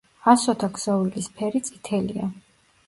ასოთა ქსოვილის ფერი წითელია.